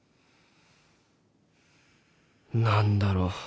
何だろう？